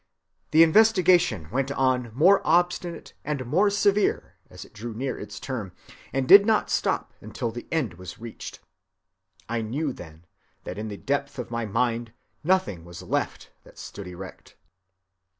The investigation went on more obstinate and more severe as it drew near its term, and did not stop until the end was reached. I knew then that in the depth of my mind nothing was left that stood erect.